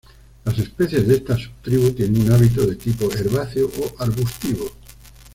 Las especies de esta subtribu tiene un hábito de tipo herbáceo o arbustivo.